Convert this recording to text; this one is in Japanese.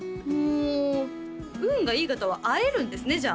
うん運がいい方は会えるんですね？